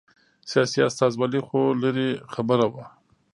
سیاسي استازولي خو لرې خبره وه.